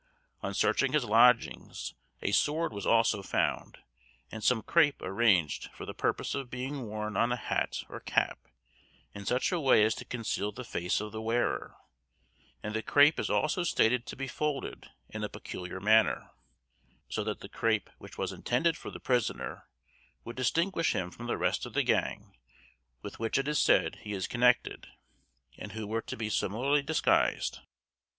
On searching his lodgings a sword was also found, and some crape arranged for the purpose of being worn on a hat or cap in such a way as to conceal the face of the wearer, and the crape is also stated to be folded in a peculiar manner, so that the crape which was intended for the prisoner would distinguish him from the rest of the gang with which it is said he is connected, and who were to be similarly disguised.